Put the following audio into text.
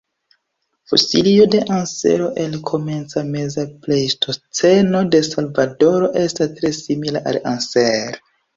Fosilio de ansero el Komenca-Meza Pleistoceno de Salvadoro estas tre simila al "Anser".